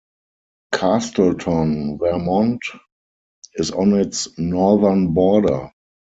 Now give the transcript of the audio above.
Castleton, Vermont, is on its northern border.